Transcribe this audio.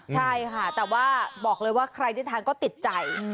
ใช่ค่ะแต่ว่าบอกเลยว่าใครได้ทานก็ติดใจ